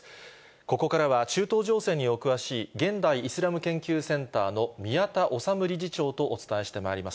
ここからは中東情勢にお詳しい、現代イスラム研究センターの宮田律理事長とお伝えしてまいります。